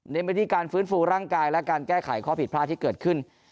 ไปที่การฟื้นฟูร่างกายและการแก้ไขข้อผิดพลาดที่เกิดขึ้น